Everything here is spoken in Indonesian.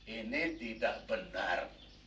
ini tidak benar